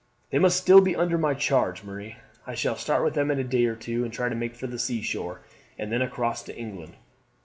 "They must still be under my charge, Marie. I shall start with them in a day or two and try to make for the sea shore, and then across to England.